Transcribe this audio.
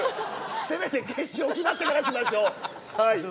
せめて決勝になってからしましょう。